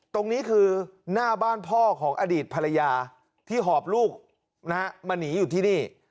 ตรงนี้คือหน้าบ้านพ่อของอดีตภรรยาที่หอบลูกมาหนีอยู่ที่นี่